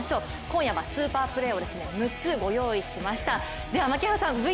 今夜はスーパープレーを６つご用意しました。